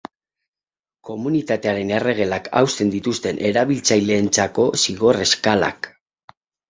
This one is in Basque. Komunitatearen erregelak hausten dituzten erabiltzaileentzako zigor eskalak.